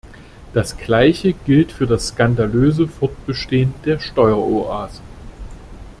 Das Gleiche gilt für das skandalöse Fortbestehen der Steueroasen.